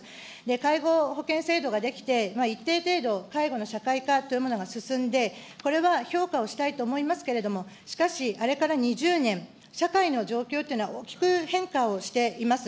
介護保険制度が出来て一定程度、介護の社会化というものが進んで、これは評価をしたいと思いますけれども、しかし、あれから２０年、社会の状況というのは大きく変化をしています。